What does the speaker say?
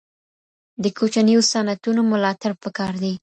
د کوچنیو صنعتونو ملاتړ پکار دی.